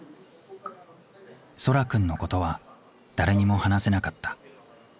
蒼空くんのことは誰にも話せなかった。